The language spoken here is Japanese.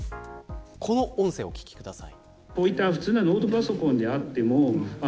この音声をお聞きください。